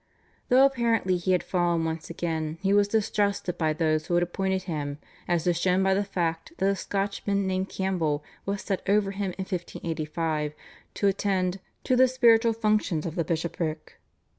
Though apparently he had fallen once again, he was distrusted by those who had appointed him as is shown by the fact that a Scotchman named Campbell was set over him in 1585 to attend "to the spiritual functions of the bishopric."